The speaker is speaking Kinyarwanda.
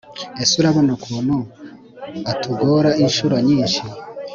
ese urabona ukuntu atugora incuro nyinshi